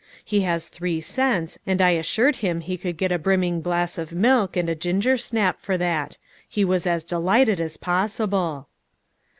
He has three cents and I assured him he could get a brim ming glass of milk and a ginger snap for that. He was as delighted as possible."